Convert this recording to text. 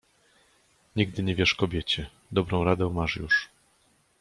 nigdy nie wierz kobiecie, dobrą radę masz już